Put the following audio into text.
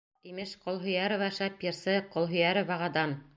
Имеш, Ҡолһөйәрова — шәп йырсы, Ҡолһөйәроваға — дан!